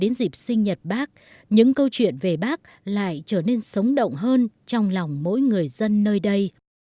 đến dịp sinh nhật bác những câu chuyện về bác lại trở nên sống động hơn trong lòng mỗi người dân nơi đây